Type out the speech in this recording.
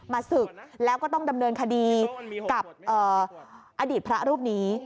ศึกแล้วก็ต้องดำเนินคดีกับอดีตพระรูปนี้